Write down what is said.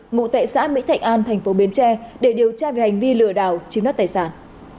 ngụ tại xã mỹ thạnh an thành phố bến tre để điều tra về hành vi lừa đảo chiếm đoạt tài sản